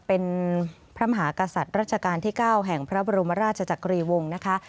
เป็นพระมหากษัตริย์รัชกาลที่๙แห่งพระบรมราชจักรีวงศ์นะคะ